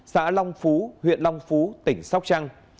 xã long phú huyện long phú tỉnh sóc trăng